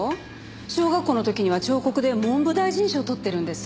小学校の時には彫刻で文部大臣賞を獲ってるんです。